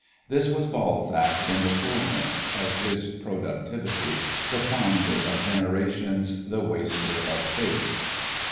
This was Balzac in the fulness of his productivity, the founder of generations, the waster of fates.